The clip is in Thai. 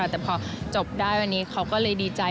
แต่เมื่อจบได้เค้าไปดีใจ